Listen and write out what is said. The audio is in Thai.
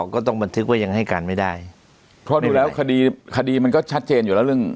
ก็ต้องบันทึกว่ายังให้การไม่ได้เพราะดูแล้วคดีคดีมันก็ชัดเจนอยู่แล้วเรื่อง